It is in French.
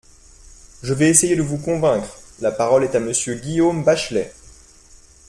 Je vais essayer de vous convaincre ! La parole est à Monsieur Guillaume Bachelay.